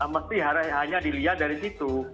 mesti hanya dilihat dari situ